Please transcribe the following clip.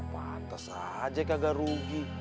pantes aja kagak rugi